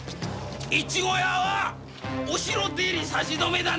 越後屋はお城出入り差し止めだ。